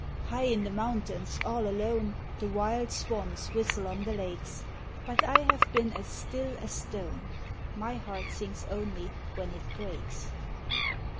High in the mountains all alone The wild swans whistle on the lakes, But I have been as still as stone, My heart sings only when it breaks.